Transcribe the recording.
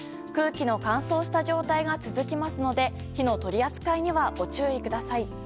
空気の乾燥した状態が続きますので火の取り扱いにはご注意ください。